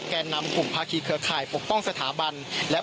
แก่นำกลุ่มภาคีเครือข่ายปกป้องสถาบันและ